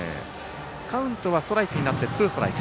カウントはストライクになってツーストライク。